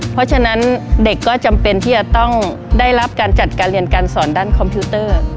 เพราะฉะนั้นเด็กก็จำเป็นที่จะต้องได้รับการจัดการเรียนการสอนด้านคอมพิวเตอร์